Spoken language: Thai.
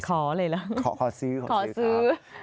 ขออะไรล่ะขอซื้อขอซื้อครับ